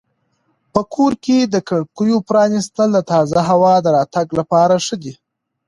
په کور کې د کړکیو پرانیستل د تازه هوا د راتګ لپاره ښه دي.